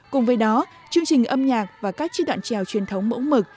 cùng với đó chương trình âm nhạc và các chiếc đoạn trèo truyền thống mẫu mực